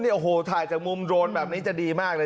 โอ้โหถ่ายจากมุมโดรนแบบนี้จะดีมากเลย